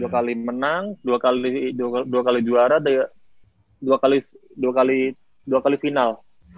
dua x menang dua x juara dua x final